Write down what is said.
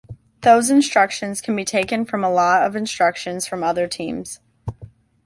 Those instructions can be taken from a lot of instructions from other teams.